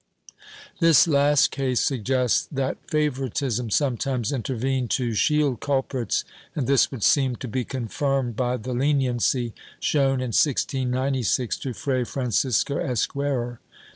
^ This last case suggests that favoritism sometimes intervened to shield culprits and this would seem to be confirmed by the leniency shown, in 1696, to Fray Francisco Esquerrer.